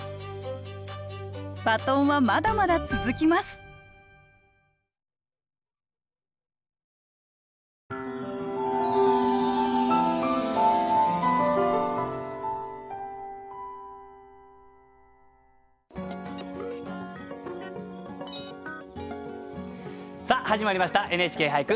バトンはまだまだ続きますさあ始まりました「ＮＨＫ俳句」。